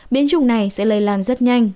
biến chủng này sẽ lây lan rất nhanh